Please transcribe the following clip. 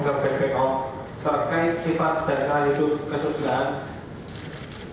terkait sifat dan khalidut kesusilaan